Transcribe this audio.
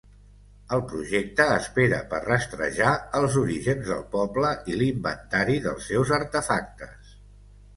El projecte espera per rastrejar els orígens del poble i l'inventari dels seus artefactes.